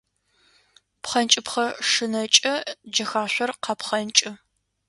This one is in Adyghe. Пхъэнкӏыпхъэ шынэкӏэ джэхашъор къапхъэнкӏы.